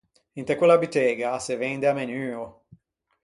Inte quella butega se vende à menuo.